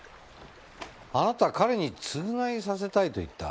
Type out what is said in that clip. あなた彼に償いさせたいと言った。